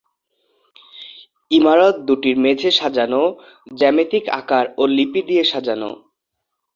ইমারত দুইটির মেঝে সাজানো জ্যামিতিক আকার ও লিপি দিয়ে সাজানো।